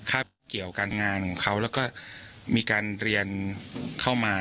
เกี่ยวการงานของเขาแล้วก็มีการเรียนเข้ามา